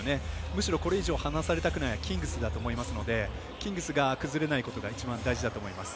むしろこれ以上、離されたくないキングスだと思いますのでキングスが離されないことが一番大事だと思います。